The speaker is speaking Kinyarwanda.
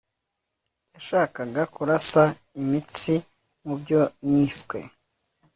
yashakaga kurasa imitsi mubyo niswe